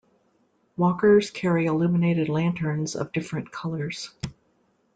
Walkers carry illuminated lanterns of different colors.